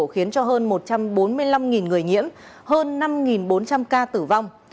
khiến cho hơn một trăm bốn mươi năm người nhiễm hơn năm bốn trăm linh ca tử vong